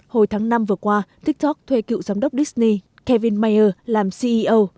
hồi tháng năm vừa qua tiktok thuê cựu giám đốc disney kevin mayer làm ceo